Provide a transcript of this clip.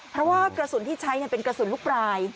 เพราะว่ากระสุนที่ใช้เป็นกระสุนลูกปลาย